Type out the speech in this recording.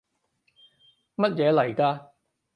乜嘢嚟㗎？